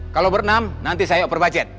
kalau berenam nanti saya oper budget